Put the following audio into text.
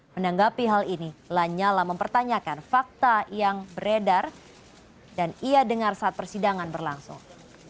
menanggapi hal ini lanyala mempertanyakan fakta yang beredar dan ia dengar saat persidangan berlangsung